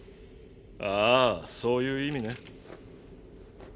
ああそういう意味ね。